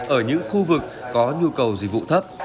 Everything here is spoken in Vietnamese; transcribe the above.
ở những khu vực có nhu cầu dịch vụ thấp